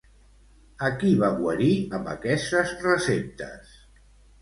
A qui va guarir amb aquestes receptes?